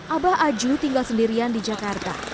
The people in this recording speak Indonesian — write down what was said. abah aju tinggal sendirian di jakarta